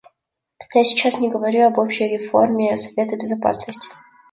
Я сейчас не говорю об общей реформе Совета Безопасности.